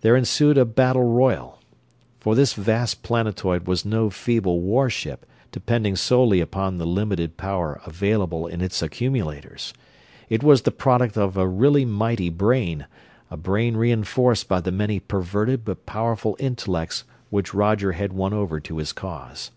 There ensued a battle royal. For this vast planetoid was no feeble warship, depending solely upon the limited power available in its accumulators. It was the product of a really mighty brain, a brain re enforced by the many perverted but powerful intellects which Roger had won over to his cause.